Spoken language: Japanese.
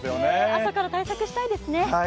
朝から対策したいですね。